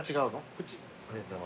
こっち？